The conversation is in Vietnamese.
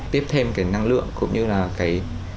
tiếp thêm cái năng lượng cũng như là cái